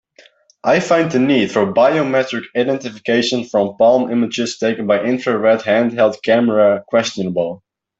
I find the need for biometric identification from palm images taken by infrared handheld camera questionable.